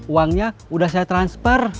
uangnya udah saya transfer